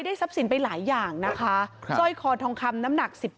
ทรัพย์สินไปหลายอย่างนะคะสร้อยคอทองคำน้ำหนักสิบ